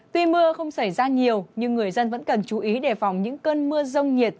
tuy mưa không xảy ra nhiều nhưng người dân vẫn cần chú ý đề phòng những cơn mưa rông nhiệt